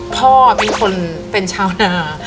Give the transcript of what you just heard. พ่อเป็นคนเป็นชาวนา